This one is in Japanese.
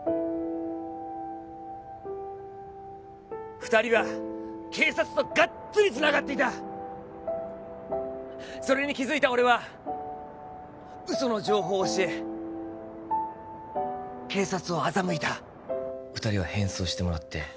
二人は警察とガッツリつながっていたそれに気づいた俺は嘘の情報を教え警察を欺いた二人は変装してもらって